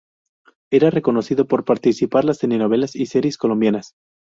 Era reconocido por participar las telenovelas y series colombianas.